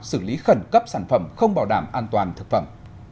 xử lý khẩn cấp sản phẩm không bảo đảm an toàn thực phẩm